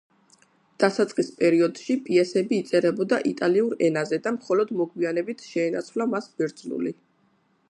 დასაწყის პერიოდში პიესები იწერებოდა იტალიურ ენაზე და მხოლოდ მოგვიანებით შეენაცვლა მას ბერძნული.